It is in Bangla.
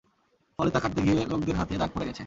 ফলে তা কাটতে গিয়ে লোকদের হাতে দাগ পড়ে গেছে।